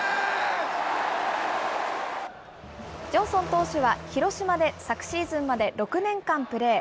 ジョンソン投手は、広島で昨シーズンまで６年間プレー。